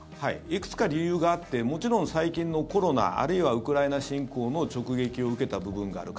いくつか理由があってもちろん最近のコロナあるいはウクライナ侵攻の直撃を受けた部分がある。